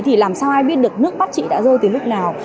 thì làm sao ai biết được nước bác sĩ đã rơi từ lúc nào